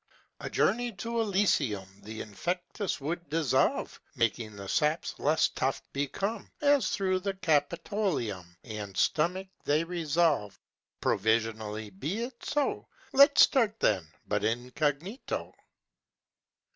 "A journey to Elysium The infectus would dissolve, Making the saps less tough become, As through the Capitolium And stomach they revolve. Provisionally be it so: Let's start then but incognito!"